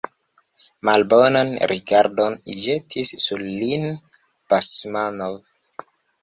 Malbonan rigardon ĵetis sur lin Basmanov.